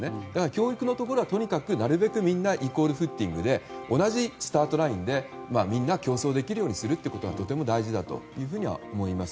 教育のところはとにかくなるべくみんなイコールフッティングで同じスタートラインでみんな競争できるようにするということがとても大事だと思います。